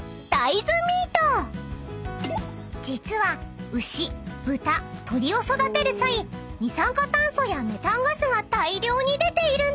［実は牛豚鶏を育てる際二酸化炭素やメタンガスが大量に出ているんです］